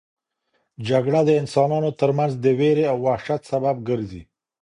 جګړه د انسانانو ترمنځ د وېرې او وحشت سبب ګرځي.